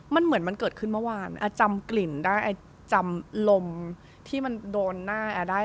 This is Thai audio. มันเหมือนมันเกิดขึ้นเมื่อวานอาจำกลิ่นได้จำลมที่มันโดนหน้าแอร์ได้